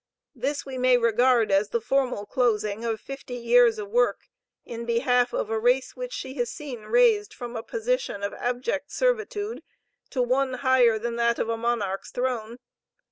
This we may regard as the formal closing of fifty years of work in behalf of a race which she has seen raised from a position of abject servitude, to one higher than that of a monarch's throne.